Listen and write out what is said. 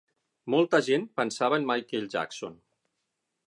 Molta gent pensava en Michael Jackson.